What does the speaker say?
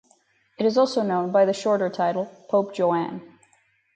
It is also known by the shorter title Pope Joan.